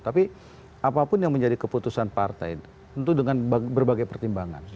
tapi apapun yang menjadi keputusan partai tentu dengan berbagai pertimbangan